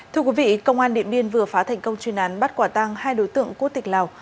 thưa quý vị công an điện biên vừa phá thành công chuyên án bắt quả tăng hai đối tượng quốc tịch lào